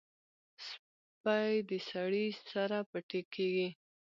سپي د سړي سره پټ کېږي.